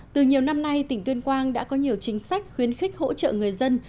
từ nhiều năm nay tỉnh tuyên quang đã có nhiều chính sách khuyến khích hỗ trợ người dân